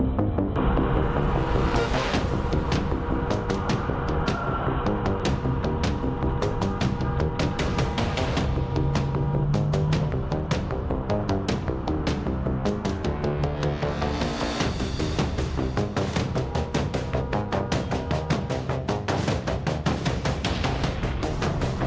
สวัสดีครับสวัสดีครับ